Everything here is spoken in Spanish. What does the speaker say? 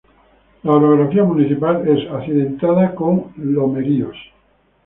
Su orografía municipio es accidentada con lomeríos.